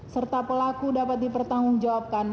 serta pelaku dapat dipertanggung jawabkan